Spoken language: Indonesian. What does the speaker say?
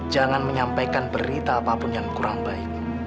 jangan menyampaikan berita apapun yang kurang baik